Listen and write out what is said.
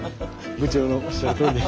部長のおっしゃるとおりです。